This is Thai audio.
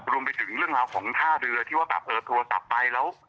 รวมไปถึงเรื่องราวของท่าเรือที่ว่าแบบเออโทรศัพท์ไปแล้ว